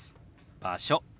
「場所」。